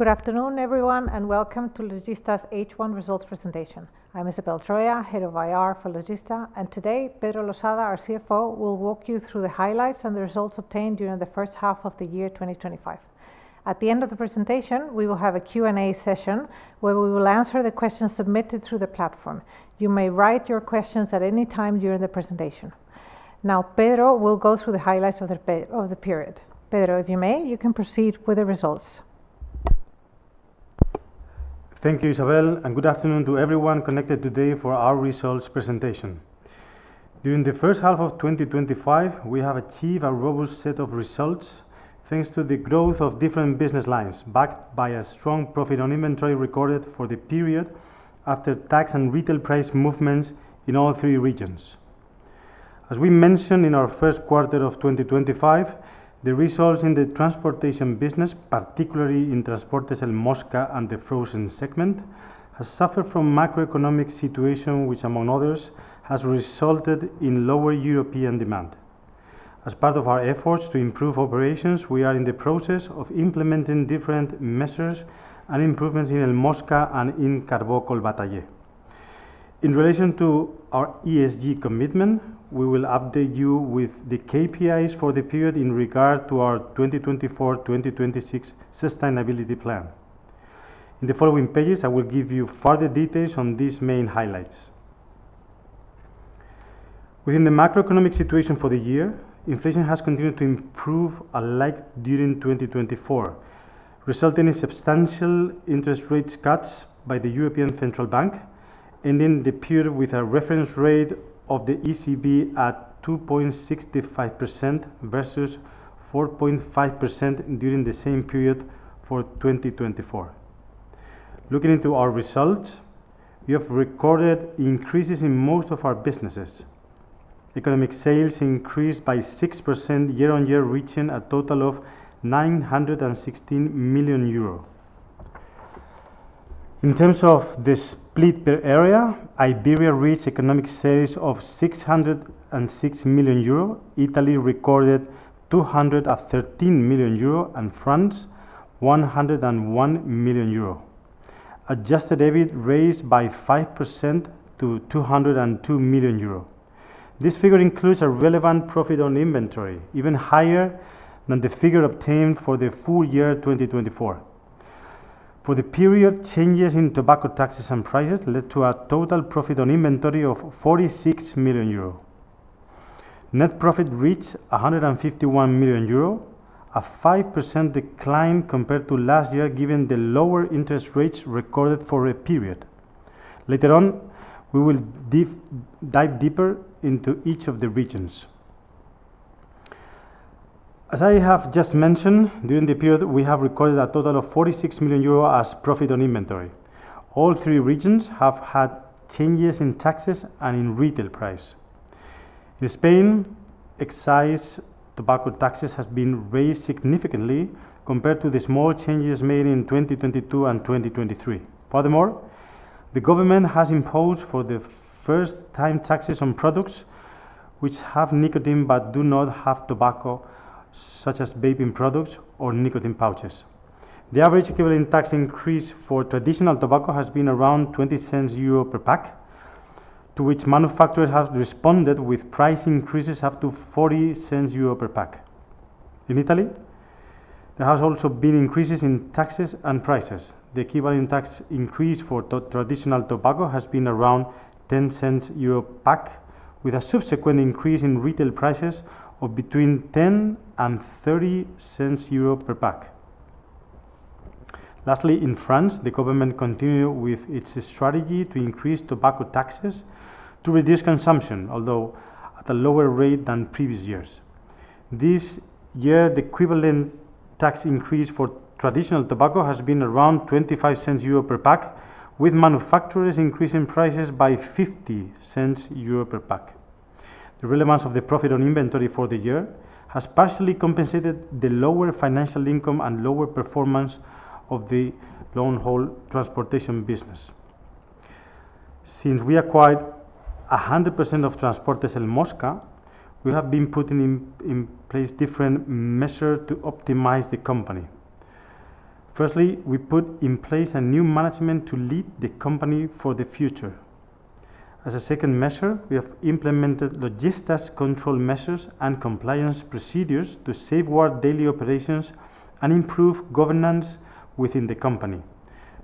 Good afternoon, everyone, and welcome to Logista's H1 results presentation. I'm Isabel Troya, Head of IR for Logista, and today, Pedro Losada, our CFO, will walk you through the highlights and the results obtained during the first half of the year 2025. At the end of the presentation, we will have a Q&A session where we will answer the questions submitted through the platform. You may write your questions at any time during the presentation. Now, Pedro will go through the highlights of the period. Pedro, if you may, you can proceed with the results. Thank you, Isabel, and good afternoon to everyone connected today for our results presentation. During the first half of 2025, we have achieved a robust set of results thanks to the growth of different business lines backed by a strong profit on inventory recorded for the period after tax and retail price movements in all three regions. As we mentioned in our first quarter of 2025, the results in the transportation business, particularly in Transportes El Mosca and the frozen segment, have suffered from a macroeconomic situation which, among others, has resulted in lower European demand. As part of our efforts to improve operations, we are in the process of implementing different measures and improvements in El Mosca and in Carbó Collbatallé. In relation to our ESG commitment, we will update you with the KPIs for the period in regard to our 2024-2026 sustainability plan. In the following pages, I will give you further details on these main highlights. Within the macroeconomic situation for the year, inflation has continued to improve alike during 2024, resulting in substantial interest rate cuts by the European Central Bank, ending the period with a reference rate of the ECB at 2.65% versus 4.5% during the same period for 2024. Looking into our results, we have recorded increases in most of our businesses. Economic sales increased by 6% year-on-year, reaching a total of 916 million euro. In terms of the split per area, Iberia reached economic sales of 606 million euro, Italy recorded 213 million euro, and France 101 million euro, adjusted debit raised by 5% to 202 million euro. This figure includes a relevant profit on inventory, even higher than the figure obtained for the full year 2024. For the period, changes in tobacco taxes and prices led to a total profit on inventory of 46 million euro. Net profit reached 151 million euro, a 5% decline compared to last year given the lower interest rates recorded for a period. Later on, we will dive deeper into each of the regions. As I have just mentioned, during the period, we have recorded a total of 46 million euros as profit on inventory. All three regions have had changes in taxes and in retail price. In Spain, excise tobacco taxes have been raised significantly compared to the small changes made in 2022 and 2023. Furthermore, the government has imposed for the first time taxes on products which have nicotine but do not have tobacco, such as vaping products or nicotine pouches. The average equivalent tax increase for traditional tobacco has been around 0.20 per pack, to which manufacturers have responded with price increases up to 0.40 per pack. In Italy, there have also been increases in taxes and prices. The equivalent tax increase for traditional tobacco has been around 0.10 per pack, with a subsequent increase in retail prices of between 0.10 and 0.30 per pack. Lastly, in France, the government continued with its strategy to increase tobacco taxes to reduce consumption, although at a lower rate than previous years. This year, the equivalent tax increase for traditional tobacco has been around 0.25 per pack, with manufacturers increasing prices by 0.50 per pack. The relevance of the profit on inventory for the year has partially compensated the lower financial income and lower performance of the long-haul transportation business. Since we acquired 100% of Transportes El Mosca, we have been putting in place different measures to optimize the company. Firstly, we put in place a new management to lead the company for the future. As a second measure, we have implemented Logista's control measures and compliance procedures to safeguard daily operations and improve governance within the company.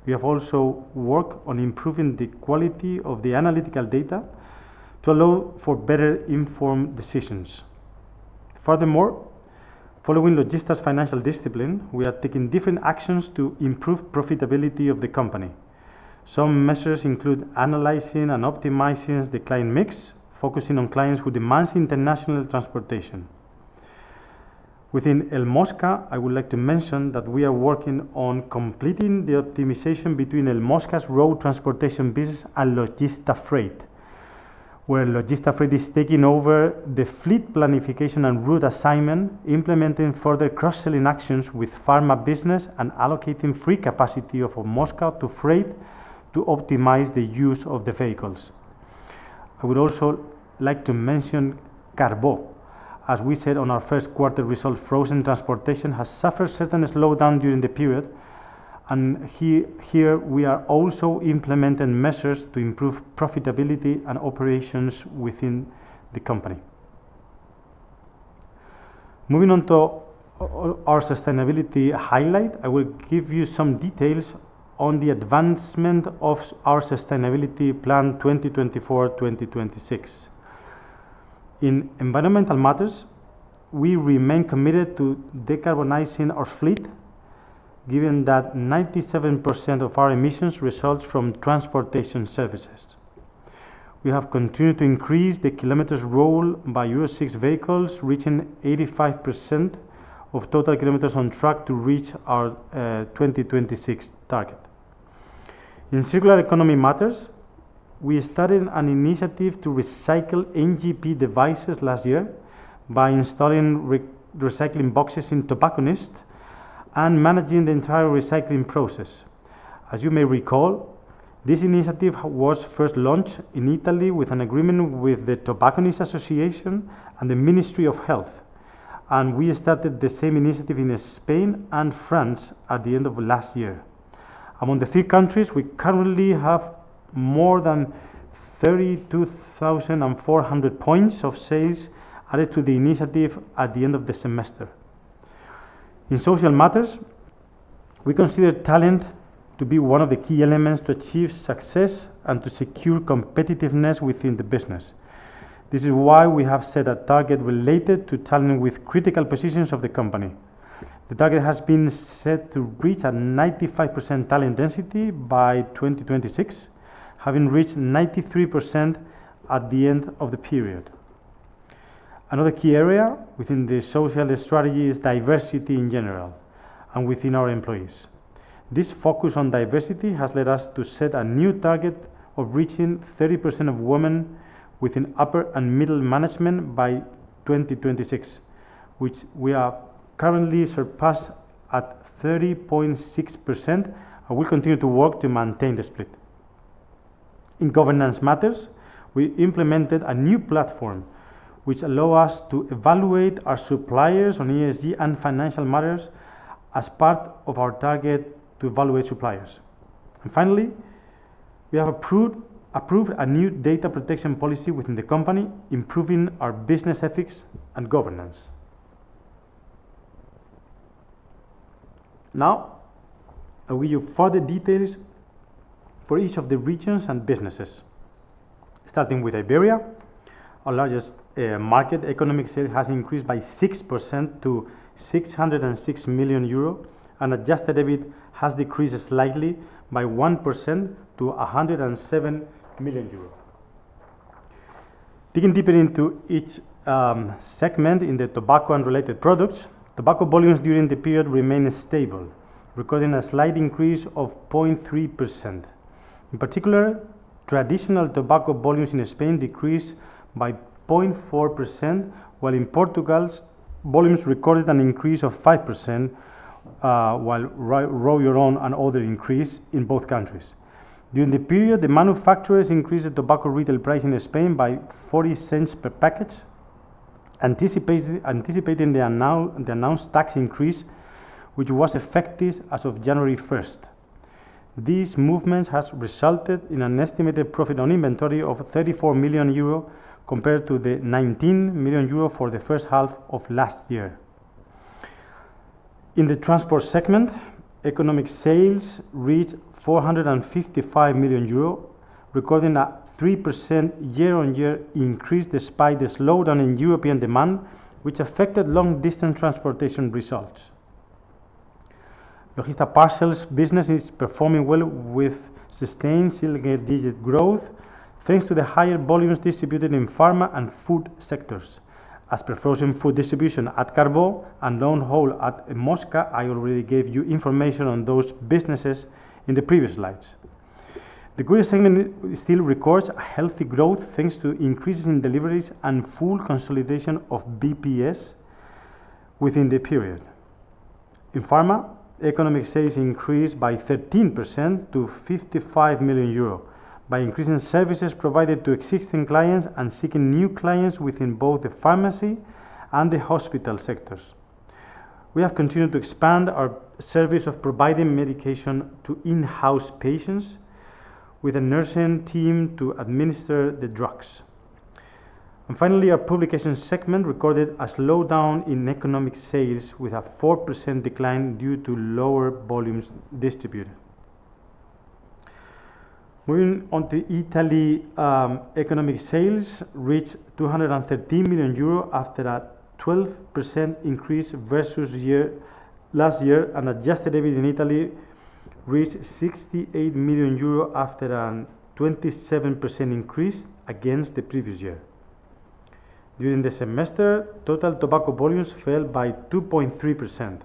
We have also worked on improving the quality of the analytical data to allow for better-informed decisions. Furthermore, following Logista's financial discipline, we are taking different actions to improve the profitability of the company. Some measures include analyzing and optimizing the client mix, focusing on clients who demand international transportation. Within El Mosca, I would like to mention that we are working on completing the optimization between El Mosca's road transportation business and Logista Freight, where Logista Freight is taking over the fleet planification and route assignment, implementing further cross-selling actions with pharma business and allocating free capacity of El Mosca to Freight to optimize the use of the vehicles. I would also like to mention Carbó. As we said on our first quarter results, frozen transportation has suffered a certain slowdown during the period, and here we are also implementing measures to improve profitability and operations within the company. Moving on to our sustainability highlight, I will give you some details on the advancement of our sustainability plan 2024-2026. In environmental matters, we remain committed to decarbonizing our fleet, given that 97% of our emissions result from transportation services. We have continued to increase the kilometers rolled by Euro 6 vehicles, reaching 85% of total kilometers on track to reach our 2026 target. In circular economy matters, we started an initiative to recycle NGP devices last year by installing recycling boxes in tobacconists and managing the entire recycling process. As you may recall, this initiative was first launched in Italy with an agreement with the Tobacconists Association and the Ministry of Health, and we started the same initiative in Spain and France at the end of last year. Among the three countries, we currently have more than 32,400 points of sales added to the initiative at the end of the semester. In social matters, we consider talent to be one of the key elements to achieve success and to secure competitiveness within the business. This is why we have set a target related to talent with critical positions of the company. The target has been set to reach a 95% talent density by 2026, having reached 93% at the end of the period. Another key area within the social strategy is diversity in general and within our employees. This focus on diversity has led us to set a new target of reaching 30% of women within upper and middle management by 2026, which we have currently surpassed at 30.6%, and we will continue to work to maintain the split. In governance matters, we implemented a new platform which allows us to evaluate our suppliers on ESG and financial matters as part of our target to evaluate suppliers. Finally, we have approved a new data protection policy within the company, improving our business ethics and governance. Now, I will give you further details for each of the regions and businesses. Starting with Iberia, our largest market, economic sales have increased by 6% to 606 million euro, and adjusted debit has decreased slightly by 1% to 107 million euro. Digging deeper into each segment in the tobacco and related products, tobacco volumes during the period remained stable, recording a slight increase of 0.3%. In particular, traditional tobacco volumes in Spain decreased by 0.4%, while in Portugal, volumes recorded an increase of 5%, while roll your own and other increased in both countries. During the period, the manufacturers increased the tobacco retail price in Spain by 0.40 per package, anticipating the announced tax increase, which was effective as of January 1st. These movements have resulted in an estimated profit on inventory of 34 million euro compared to the 19 million euro for the first half of last year. In the transport segment, economic sales reached 455 million euro, recording a 3% year-on-year increase despite the slowdown in European demand, which affected long-distance transportation results. Logista Parcels business is performing well with sustained single-digit growth thanks to the higher volumes distributed in pharma and food sectors, as per frozen food distribution at Carbó and long-haul at El Mosca. I already gave you information on those businesses in the previous slides. The goods segment still records a healthy growth thanks to increases in deliveries and full consolidation of BPS within the period. In pharma, economic sales increased by 13% to 55 million euro by increasing services provided to existing clients and seeking new clients within both the pharmacy and the hospital sectors. We have continued to expand our service of providing medication to in-house patients with a nursing team to administer the drugs. Finally, our publication segment recorded a slowdown in economic sales with a 4% decline due to lower volumes distributed. Moving on to Italy, economic sales reached 213 million euro after a 12% increase versus last year, and adjusted debit in Italy reached 68 million euros after a 27% increase against the previous year. During the semester, total tobacco volumes fell by 2.3%.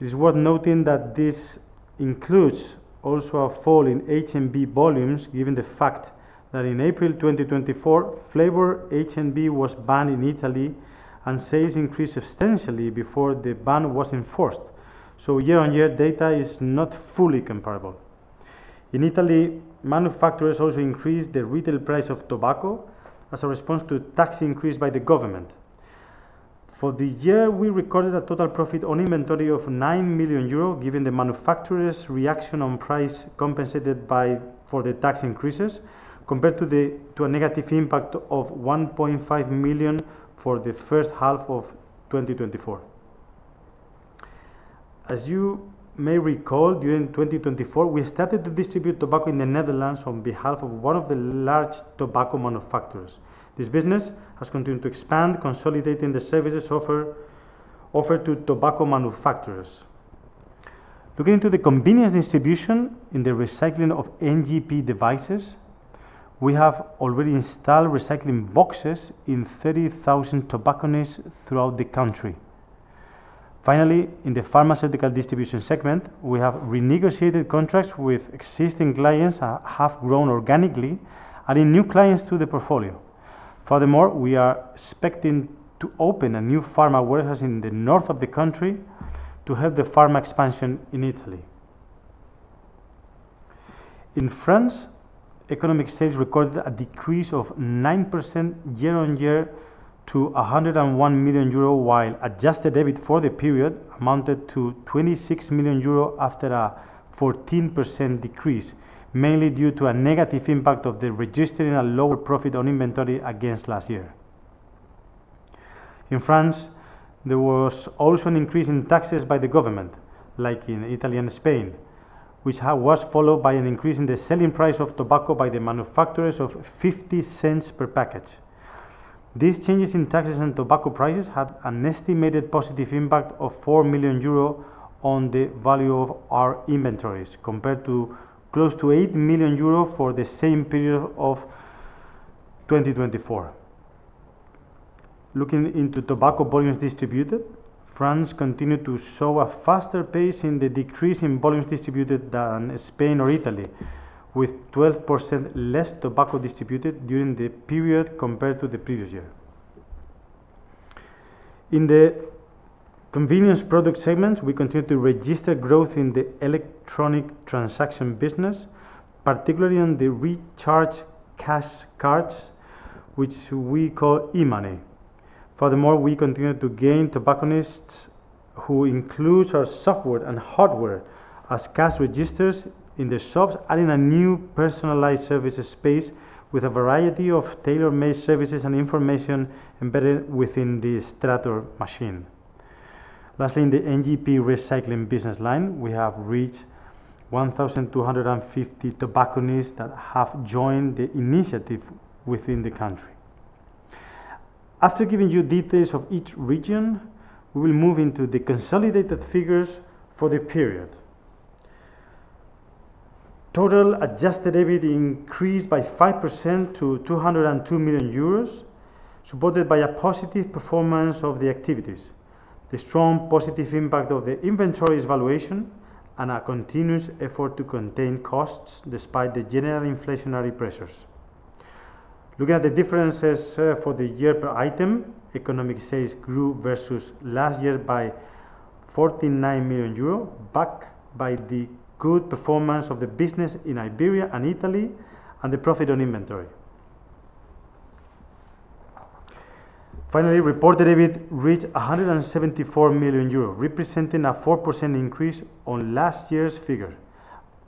It is worth noting that this includes also a fall in H&B volumes, given the fact that in April 2024, flavor H&B was banned in Italy, and sales increased substantially before the ban was enforced. Year-on-year data is not fully comparable. In Italy, manufacturers also increased the retail price of tobacco as a response to a tax increase by the government. For the year, we recorded a total profit on inventory of 9 million euro, given the manufacturers' reaction on price compensated for the tax increases, compared to a negative impact of 1.5 million for the first half of 2024. As you may recall, during 2024, we started to distribute tobacco in the Netherlands on behalf of one of the large tobacco manufacturers. This business has continued to expand, consolidating the services offered to tobacco manufacturers. Looking into the convenience distribution in the recycling of NGP devices, we have already installed recycling boxes in 30,000 tobacconists throughout the country. Finally, in the pharmaceutical distribution segment, we have renegotiated contracts with existing clients that have grown organically adding new clients to the portfolio. Furthermore, we are expecting to open a new pharma warehouse in the north of the country to help the pharma expansion in Italy. In France, economic sales recorded a decrease of 9% year-on-year to 101 million euro, while adjusted debit for the period amounted to 26 million euro after a 14% decrease, mainly due to a negative impact of registering a lower profit on inventory against last year. In France, there was also an increase in taxes by the government, like in Italy and Spain, which was followed by an increase in the selling price of tobacco by the manufacturers of 0.50 per package. These changes in taxes and tobacco prices had an estimated positive impact of 4 million euro on the value of our inventories compared to close to 8 million euro for the same period of 2024. Looking into tobacco volumes distributed, France continued to show a faster pace in the decrease in volumes distributed than Spain or Italy, with 12% less tobacco distributed during the period compared to the previous year. In the convenience product segment, we continue to register growth in the electronic transaction business, particularly on the recharge cash cards, which we call e-money. Furthermore, we continue to gain tobacconists who include our software and hardware as cash registers in the shops, adding a new personalized service space with a variety of tailor-made services and information embedded within the Strator machine. Lastly, in the NGP recycling business line, we have reached 1,250 tobacconists that have joined the initiative within the country. After giving you details of each region, we will move into the consolidated figures for the period. Total adjusted debit increased by 5% to 202 million euros, supported by a positive performance of the activities, the strong positive impact of the inventory's valuation, and a continuous effort to contain costs despite the general inflationary pressures. Looking at the differences for the year-per-item, economic sales grew versus last year by 49 million euro, backed by the good performance of the business in Iberia and Italy and the profit on inventory. Finally, reported debit reached 174 million euros, representing a 4% increase on last year's figure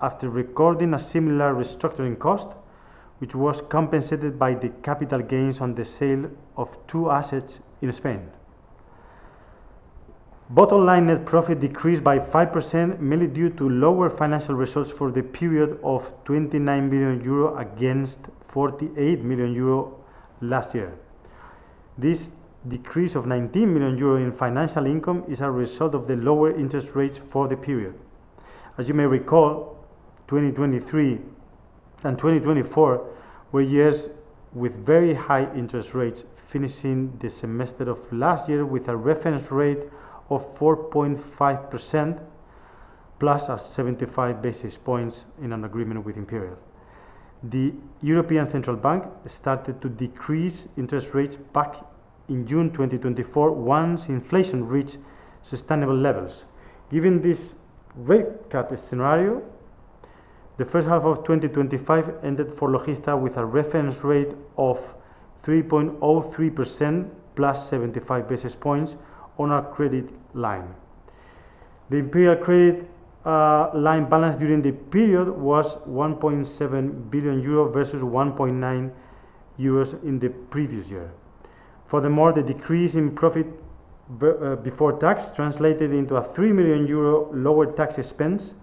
after recording a similar restructuring cost, which was compensated by the capital gains on the sale of two assets in Spain. Bottom-line net profit decreased by 5%, mainly due to lower financial results for the period of 29 million euro against 48 million euro last year. This decrease of 19 million euro in financial income is a result of the lower interest rates for the period. As you may recall, 2023 and 2024 were years with very high interest rates, finishing the semester of last year with a reference rate of 4.5%, plus a 75 basis points in an agreement with Imperial. The European Central Bank started to decrease interest rates back in June 2024 once inflation reached sustainable levels. Given this rate cut scenario, the first half of 2025 ended for Logista Integral with a reference rate of 3.03%, plus 75 basis points on our credit line. The Imperial credit line balance during the period was 1.7 billion euro versus 1.9 billion euros in the previous year. Furthermore, the decrease in profit before tax translated into a 3 million euro lower tax expense,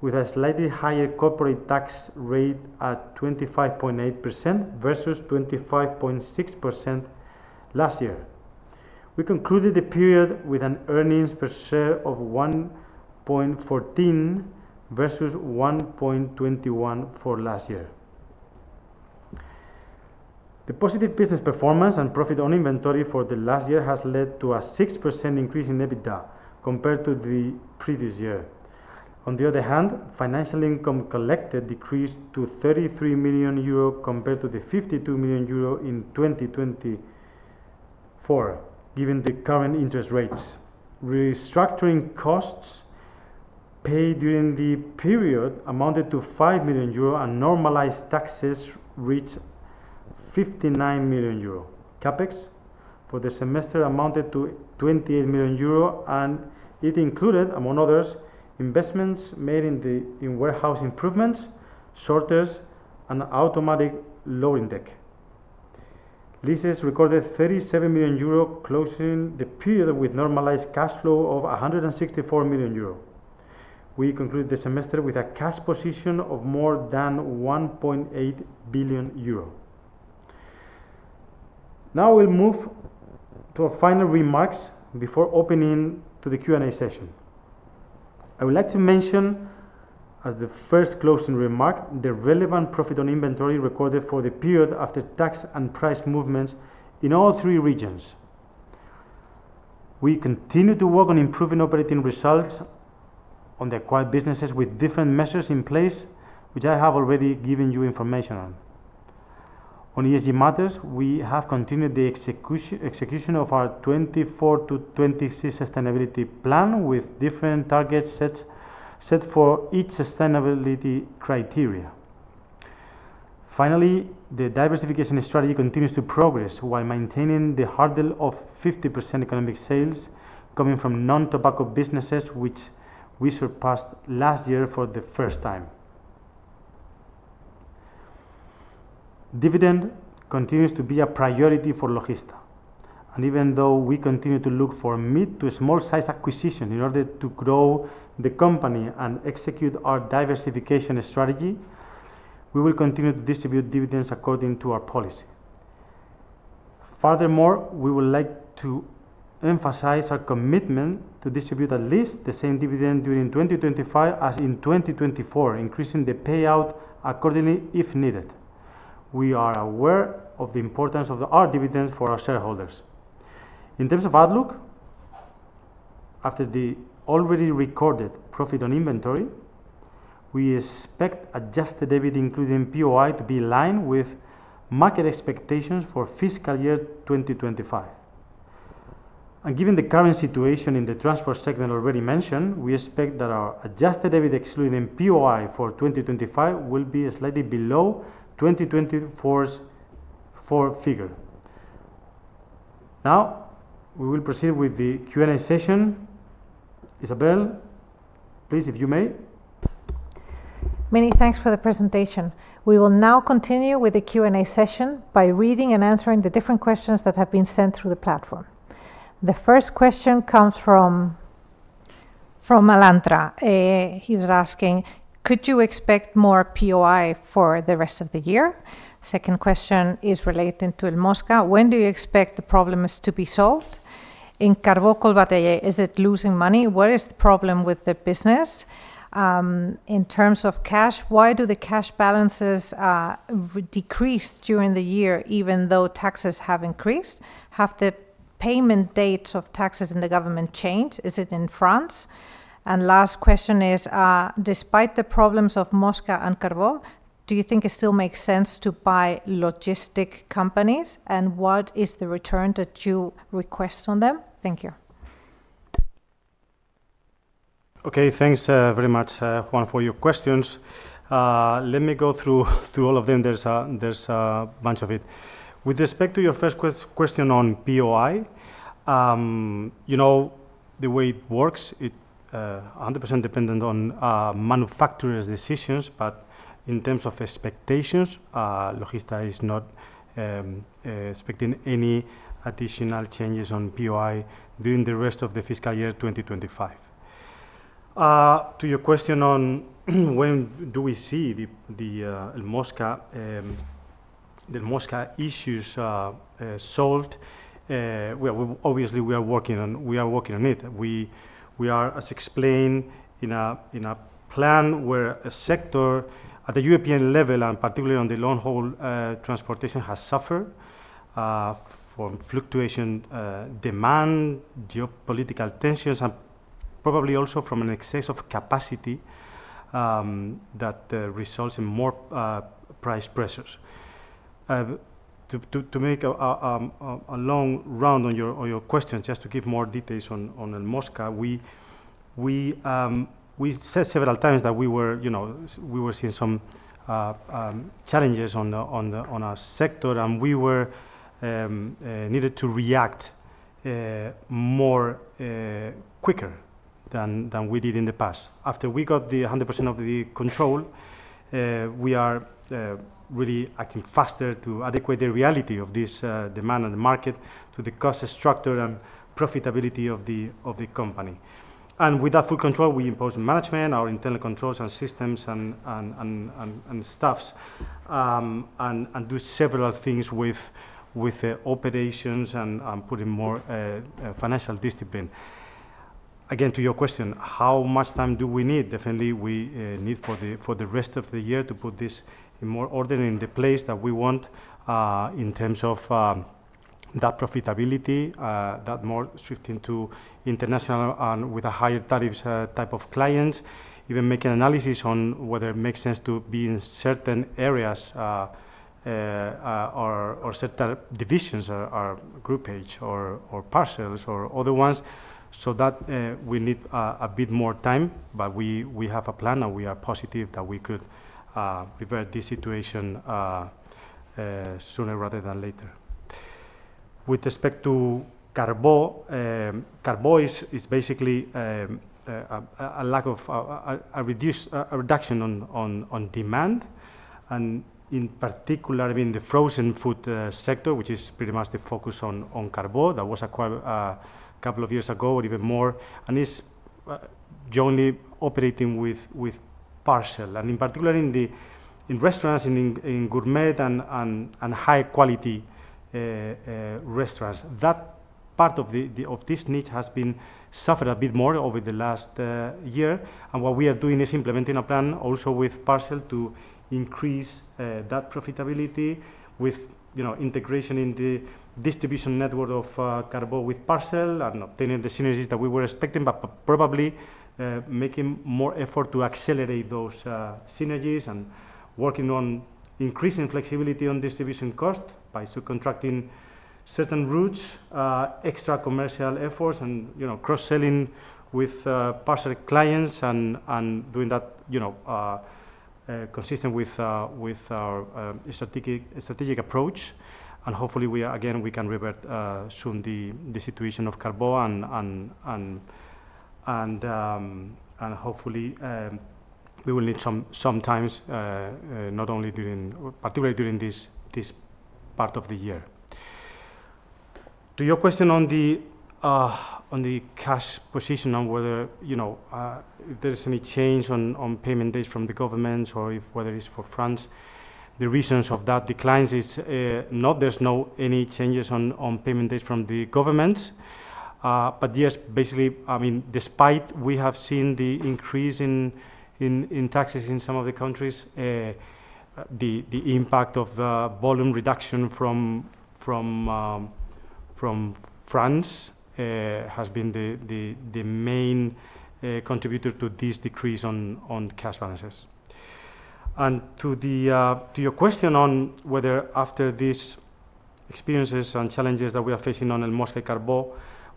with a slightly higher corporate tax rate at 25.8% versus 25.6% last year. We concluded the period with an earnings per share of 1.14 versus 1.21 for last year. The positive business performance and profit on inventory for the last year has led to a 6% increase in EBITDA compared to the previous year. On the other hand, financial income collected decreased to 33 million euro compared to the 52 million euro in 2024, given the current interest rates. Restructuring costs paid during the period amounted to 5 million euro and normalized taxes reached 59 million euro. Capex for the semester amounted to 28 million euro, and it included, among others, investments made in warehouse improvements, shortages, and automatic lowering deck. Leases recorded 37 million euro closing the period with normalized cash flow of 164 million euro. We concluded the semester with a cash position of more than 1.8 billion euro. Now we'll move to our final remarks before opening to the Q&A session. I would like to mention as the first closing remark the relevant profit on inventory recorded for the period after tax and price movements in all three regions. We continue to work on improving operating results on the acquired businesses with different measures in place, which I have already given you information on. On ESG matters, we have continued the execution of our 2024 to 2026 sustainability plan with different targets set for each sustainability criteria. Finally, the diversification strategy continues to progress while maintaining the hurdle of 50% economic sales coming from non-tobacco businesses, which we surpassed last year for the first time. Dividend continues to be a priority for Logista Integral. Even though we continue to look for mid to small-sized acquisitions in order to grow the company and execute our diversification strategy, we will continue to distribute dividends according to our policy. Furthermore, we would like to emphasize our commitment to distribute at least the same dividend during 2025 as in 2024, increasing the payout accordingly if needed. We are aware of the importance of our dividends for our shareholders. In terms of outlook, after the already recorded profit on inventory, we expect adjusted debit, including POI, to be aligned with market expectations for fiscal year 2025. Given the current situation in the transport segment already mentioned, we expect that our adjusted debit, excluding POI, for 2025 will be slightly below 2024's figure. Now we will proceed with the Q&A session. Isabel, please, if you may. Many thanks for the presentation. We will now continue with the Q&A session by reading and answering the different questions that have been sent through the platform. The first question comes from Malantra. He was asking, "Could you expect more POI for the rest of the year?" The second question is related to El Mosca. "When do you expect the problems to be solved? In Carbó, is it losing money? What is the problem with the business? In terms of cash, why do the cash balances decrease during the year even though taxes have increased? Have the payment dates of taxes in the government changed? Is it in France? The last question is, "Despite the problems of Mosca and Carbó, do you think it still makes sense to buy logistic companies? And what is the return that you request on them?" Thank you. Okay, thanks very much, Juan, for your questions. Let me go through all of them. There's a bunch of it. With respect to your first question on POI, you know the way it works, it's 100% dependent on manufacturers' decisions. In terms of expectations, Logista is not expecting any additional changes on POI during the rest of the fiscal year 2025. To your question on when do we see the El Mosca issues solved, obviously we are working on it. We are, as explained, in a plan where a sector at the European level, and particularly on the long-haul transportation, has suffered from fluctuation demand, geopolitical tensions, and probably also from an excess of capacity that results in more price pressures. To make a long round on your question, just to give more details on El Mosca, we said several times that we were seeing some challenges on our sector and we needed to react more quicker than we did in the past. After we got 100% of the control, we are really acting faster to adequate the reality of this demand on the market to the cost structure and profitability of the company. With that full control, we impose management, our internal controls and systems and staffs, and do several things with operations and putting more financial discipline. Again, to your question, how much time do we need? Definitely, we need for the rest of the year to put this in more order in the place that we want in terms of that profitability, that more shifting to international and with a higher tariff type of clients, even making analysis on whether it makes sense to be in certain areas or certain divisions or groupage or parcels or other ones. We need a bit more time, but we have a plan and we are positive that we could prevent this situation sooner rather than later. With respect to Carbó, Carbó is basically a reduction on demand, and in particular, I mean, the frozen food sector, which is pretty much the focus on Carbó that was acquired a couple of years ago or even more, and is generally operating with parcel. I mean, in particular, in restaurants, in gourmet and high-quality restaurants, that part of this niche has been suffered a bit more over the last year. What we are doing is implementing a plan also with parcel to increase that profitability with integration in the distribution network of Carbó with parcel and obtaining the synergies that we were expecting, but probably making more effort to accelerate those synergies and working on increasing flexibility on distribution cost by subcontracting certain routes, extra commercial efforts, and cross-selling with parcel clients and doing that consistent with our strategic approach. Hopefully, again, we can revert soon the situation of Carbó, and hopefully, we will need some time, not only particularly during this part of the year. To your question on the cash position and whether there is any change on payment days from the governments or whether it is for France, the reason for that decline is not, there are no changes on payment days from the governments. Yes, basically, I mean, despite we have seen the increase in taxes in some of the countries, the impact of volume reduction from France has been the main contributor to this decrease on cash balances. To your question on whether after these experiences and challenges that we are facing on El Mosca and Carbó,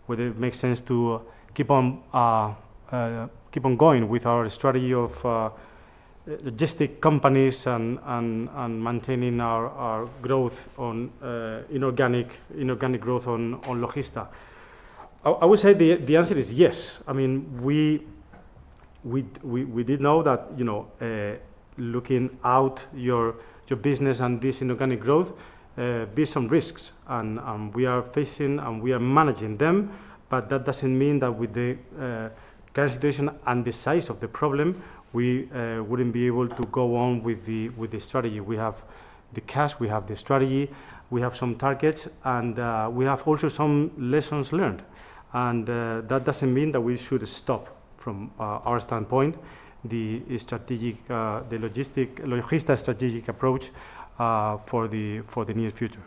whether it makes sense to keep on going with our strategy of logistic companies and maintaining our growth in organic growth on Logista. I would say the answer is yes. I mean, we did know that looking out your business and this inorganic growth be some risks, and we are facing and we are managing them. That does not mean that with the current situation and the size of the problem, we would not be able to go on with the strategy. We have the cash, we have the strategy, we have some targets, and we have also some lessons learned. That does not mean that we should stop, from our standpoint, the Logista strategic approach for the near future.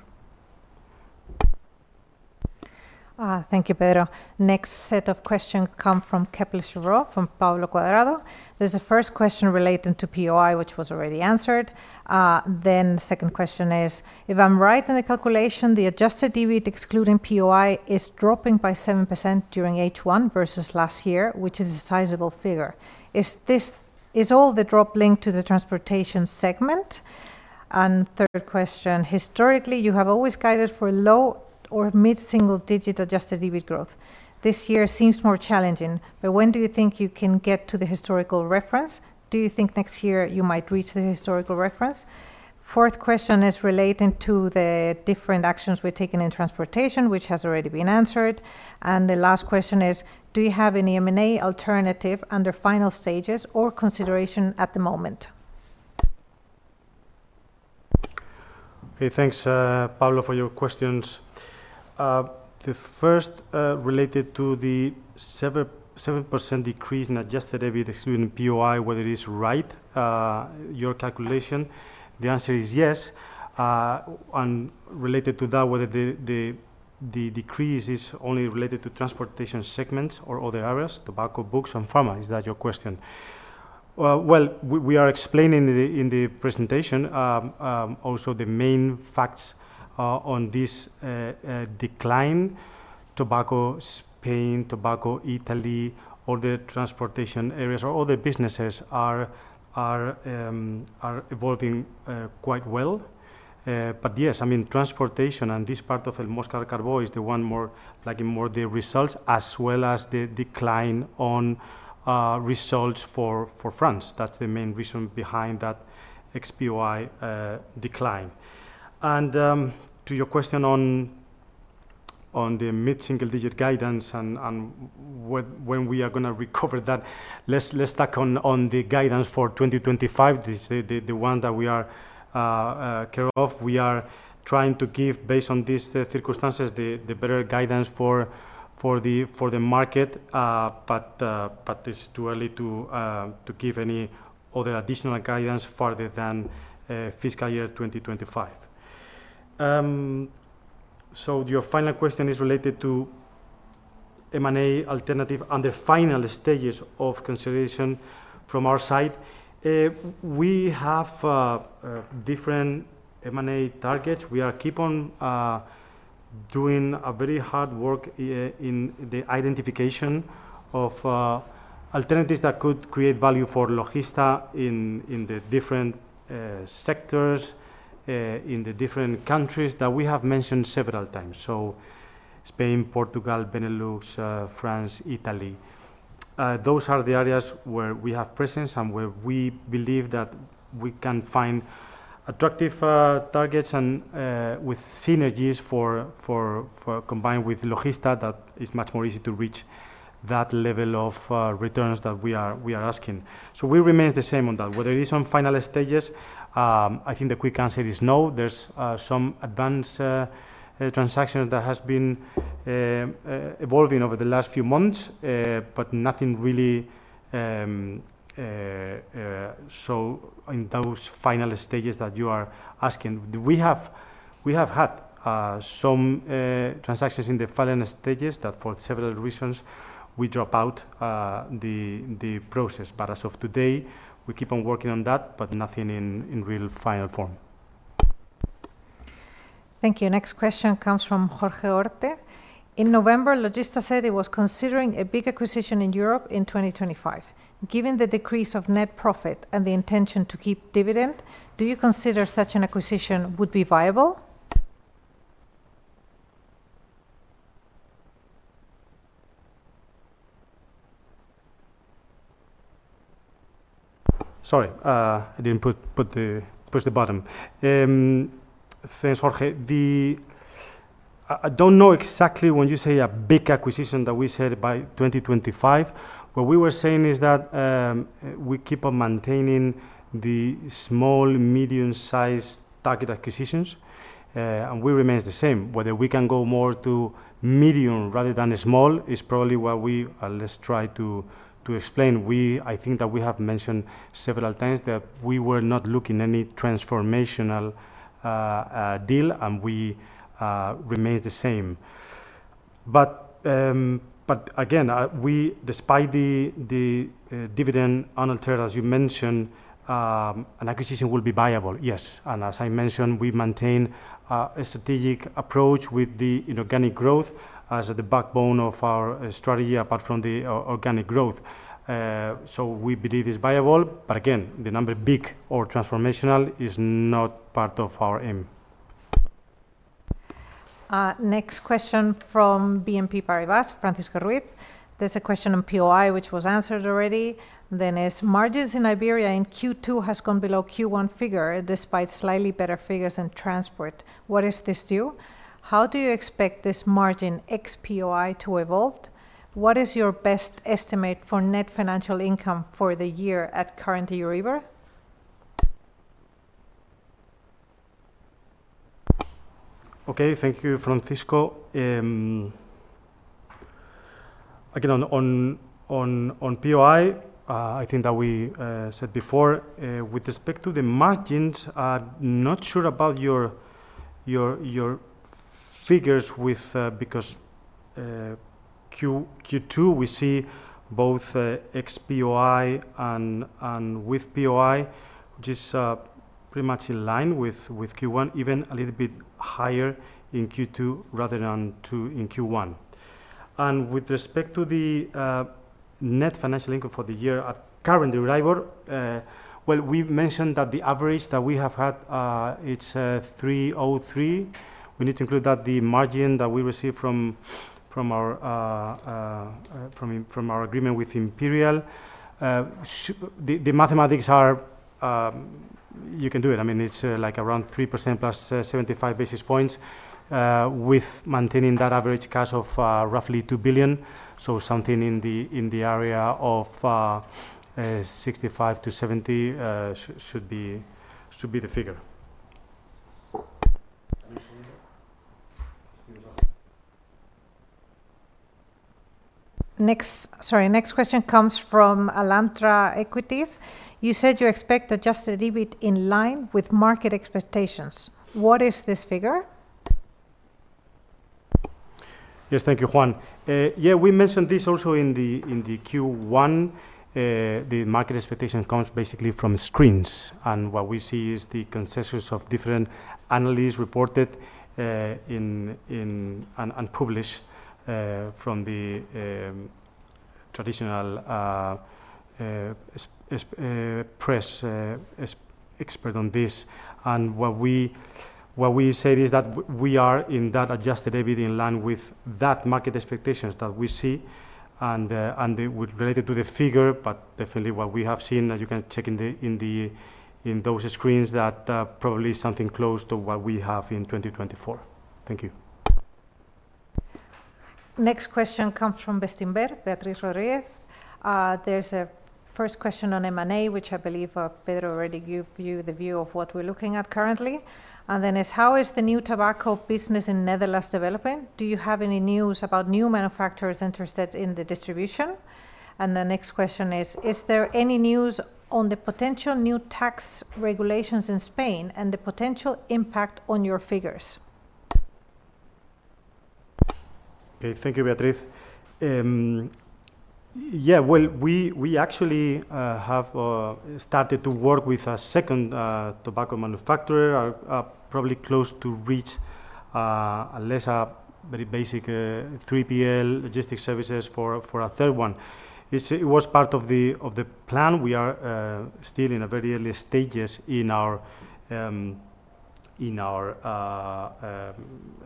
Thank you, Pedro. Next set of questions come from Kepler's Row from Pablo Cuadrado. This is the first question related to POI, which was already answered. The second question is, "If I'm right in the calculation, the adjusted debit, excluding POI, is dropping by 7% during H1 versus last year, which is a sizable figure. Is all the drop linked to the transportation segment?" The third question, "Historically, you have always guided for low or mid-single-digit adjusted debit growth. This year seems more challenging. When do you think you can get to the historical reference? Do you think next year you might reach the historical reference?" The fourth question is related to the different actions we're taking in transportation, which has already been answered. The last question is, "Do you have any M&A alternative under final stages or consideration at the moment?" Okay, thanks, Pablo, for your questions. The first related to the 7% decrease in adjusted debit, excluding POI, whether it is right, your calculation, the answer is yes. Related to that, whether the decrease is only related to transportation segments or other areas, tobacco, books, and pharma, is that your question? We are explaining in the presentation also the main facts on this decline. Tobacco Spain, Tobacco Italy, all the transportation areas or all the businesses are evolving quite well. Yes, I mean, transportation and this part of El Mosca and Carbó is the one more lacking more the results as well as the decline on results for France. That is the main reason behind that XPOI decline. To your question on the mid-single-digit guidance and when we are going to recover that, let's tack on the guidance for 2025, the one that we care of. We are trying to give, based on these circumstances, the better guidance for the market, but it's too early to give any other additional guidance farther than fiscal year 2025. Your final question is related to M&A alternative and the final stages of consideration from our side. We have different M&A targets. We are keep on doing very hard work in the identification of alternatives that could create value for Logista in the different sectors, in the different countries that we have mentioned several times. Spain, Portugal, Benelux, France, Italy. Those are the areas where we have presence and where we believe that we can find attractive targets and with synergies combined with Logista that is much more easy to reach that level of returns that we are asking. We remain the same on that. Whether it is on final stages, I think the quick answer is no. There's some advanced transactions that have been evolving over the last few months, but nothing really so in those final stages that you are asking. We have had some transactions in the final stages that for several reasons, we drop out the process. As of today, we keep on working on that, but nothing in real final form. Thank you. Next question comes from Jorge Orte. "In November, Logista said it was considering a big acquisition in Europe in 2025. Given the decrease of net profit and the intention to keep dividend, do you consider such an acquisition would be viable?" Sorry, I didn't push the button. Thanks, Jorge. I don't know exactly when you say a big acquisition that we said by 2025. What we were saying is that we keep on maintaining the small, medium-sized target acquisitions, and we remain the same. Whether we can go more to medium rather than small is probably what we, let's try to explain. I think that we have mentioned several times that we were not looking at any transformational deal, and we remain the same. Again, despite the dividend unaltered, as you mentioned, an acquisition will be viable, yes. As I mentioned, we maintain a strategic approach with the inorganic growth as the backbone of our strategy apart from the organic growth. We believe it's viable. Again, the number big or transformational is not part of our aim. Next question from BNP Paribas, Francisco Ruiz. There's a question on POI, which was answered already. Margins in Iberia in Q2 has gone below Q1 figure despite slightly better figures in transport. What is this due? How do you expect this margin XPOI to evolve? What is your best estimate for net financial income for the year at current EURIBOR? Okay, thank you, Francisco. Again, on POI, I think that we said before, with respect to the margins, I'm not sure about your figures because Q2, we see both XPOI and with POI, which is pretty much in line with Q1, even a little bit higher in Q2 rather than in Q1. With respect to the net financial income for the year at current EURIBOR, we have mentioned that the average that we have had, it's 303. We need to include that the margin that we receive from our agreement with Imperial. The mathematics are you can do it. I mean, it's like around 3% plus 75 basis points with maintaining that average cash of roughly 2 billion. So something in the area of 65-70 should be the figure. Next, sorry, next question comes from Alantra Equities. You said you expect adjusted debit in line with market expectations. What is this figure? Yes, thank you, Juan. Yeah, we mentioned this also in the Q1. The market expectation comes basically from screens. And what we see is the consensus of different analysts reported and published from the traditional press expert on this. And what we said is that we are in that adjusted debit in line with that market expectations that we see and related to the figure, but definitely what we have seen, you can check in those screens that probably is something close to what we have in 2024. Thank you. Next question comes from Bestinver, Beatriz Rodríguez. There's a first question on M&A, which I believe Pedro already gave you the view of what we're looking at currently. Then it's, "How is the new tobacco business in Netherlands developing? Do you have any news about new manufacturers interested in the distribution?" The next question is, "Is there any news on the potential new tax regulations in Spain and the potential impact on your figures?" Thank you, Beatriz. Yeah, we actually have started to work with a second tobacco manufacturer, probably close to reach a very basic 3PL logistics services for a third one. It was part of the plan. We are still in the very early stages in our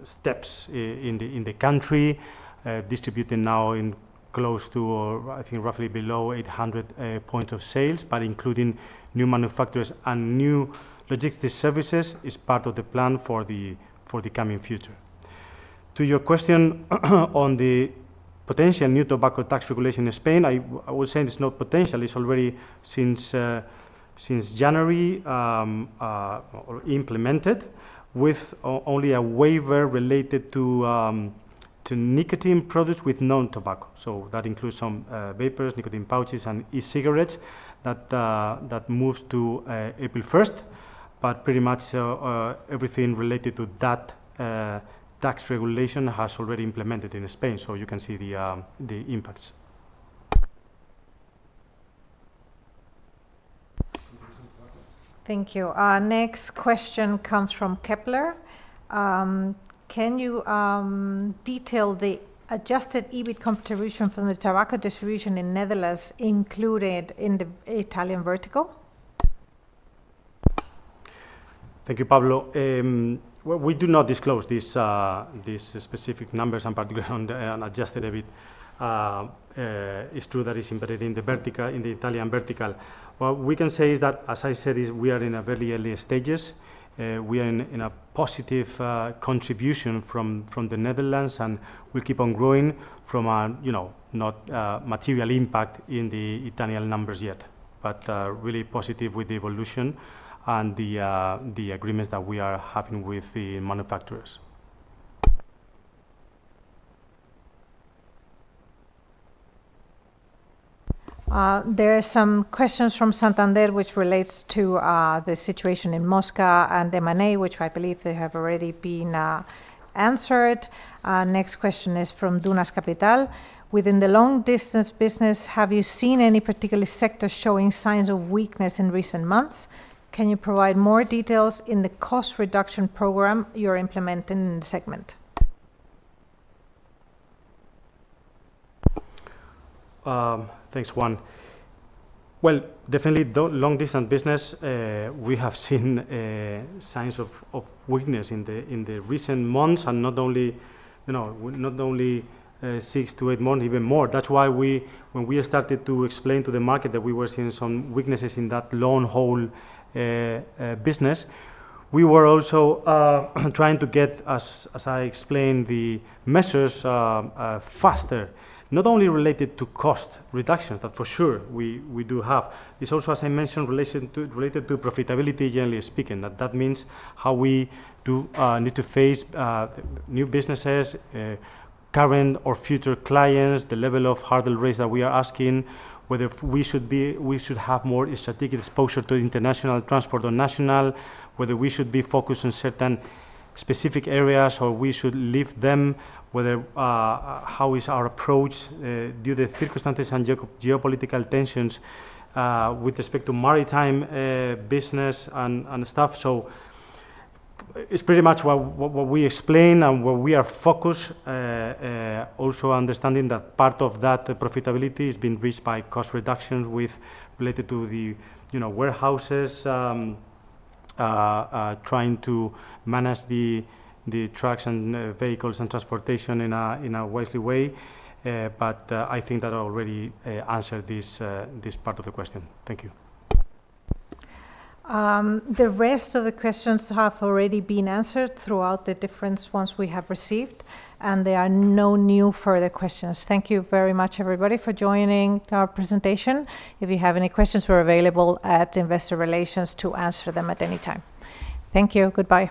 steps in the country, distributing now in close to, I think, roughly below 800 points of sales, but including new manufacturers and new logistics services is part of the plan for the coming future. To your question on the potential new tobacco tax regulation in Spain, I would say it's not potential. It's already since January implemented with only a waiver related to nicotine products with non-tobacco. That includes some vapors, nicotine pouches, and e-cigarettes that moves to April 1. Pretty much everything related to that tax regulation has already implemented in Spain. You can see the impacts. Thank you. Next question comes from Kepler. "Can you detail the adjusted EBIT contribution from the tobacco distribution in Netherlands included in the Italian vertical?" Thank you, Pablo. We do not disclose these specific numbers and particularly on adjusted EBIT. It's true that it's embedded in the Italian vertical. What we can say is that, as I said, we are in the very early stages. We are in a positive contribution from the Netherlands, and we keep on growing from a not material impact in the Italian numbers yet, but really positive with the evolution and the agreements that we are having with the manufacturers. There are some questions from Santander, which relates to the situation in Transportes El Mosca and M&A, which I believe they have already been answered. Next question is from Dunas Capital. "Within the long-distance business, have you seen any particular sector showing signs of weakness in recent months? Can you provide more details in the cost reduction program you're implementing in the segment?" Thanks, Juan. Definitely long-distance business, we have seen signs of weakness in the recent months and not only six to eight months, even more. That is why when we started to explain to the market that we were seeing some weaknesses in that long-haul business, we were also trying to get, as I explained, the measures faster, not only related to cost reduction, that for sure we do have. It is also, as I mentioned, related to profitability, generally speaking, that means how we need to face new businesses, current or future clients, the level of harder rates that we are asking, whether we should have more strategic exposure to international transport or national, whether we should be focused on certain specific areas or we should leave them, whether how is our approach due to the circumstances and geopolitical tensions with respect to maritime business and stuff. It is pretty much what we explain and where we are focused, also understanding that part of that profitability is being reached by cost reductions related to the warehouses, trying to manage the trucks and vehicles and transportation in a wisely way. I think that I already answered this part of the question. Thank you. The rest of the questions have already been answered throughout the different ones we have received, and there are no new further questions. Thank you very much, everybody, for joining our presentation. If you have any questions, we are available at Investor Relations to answer them at any time. Thank you. Goodbye.